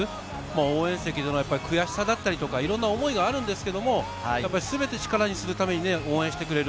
応援席での悔しさだったりとか、いろんな思いがあるんですけど、全て力をするために応援してくれる。